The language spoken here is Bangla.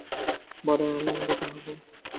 বড়ই আনন্দিত হব।